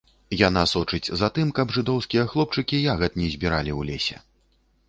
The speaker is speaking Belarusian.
Яна сочыць за тым, каб жыдоўскія хлопчыкі ягад не збіралі ў лесе.